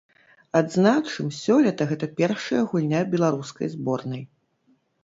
Адзначым, сёлета гэта першая гульня беларускай зборнай.